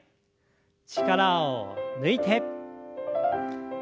力を抜いて。